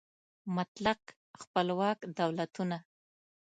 مطلق خپلواک دولتونه